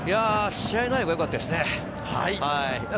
試合内容がよかったですね。